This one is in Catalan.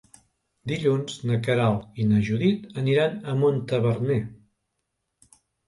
Dilluns na Queralt i na Judit aniran a Montaverner.